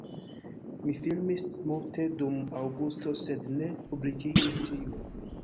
Mi filmis multe dum aŭgusto sed ne publikigis tiun